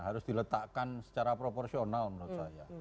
harus diletakkan secara proporsional menurut saya